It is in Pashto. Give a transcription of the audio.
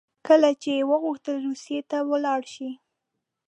کله چې یې وغوښتل روسیې ته ولاړ شي.